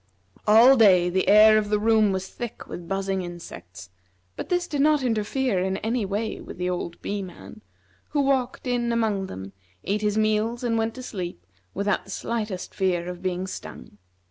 All day the air of the room was thick with buzzing insects, but this did not interfere in any way with the old Bee man, who walked in among them, ate his meals, and went to sleep, without the slightest fear of being stung.